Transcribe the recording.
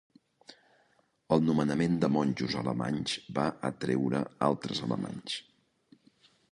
El nomenament de monjos alemanys va atreure altres alemanys.